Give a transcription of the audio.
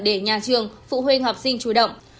để nhà trường phụ huynh học sinh chủ động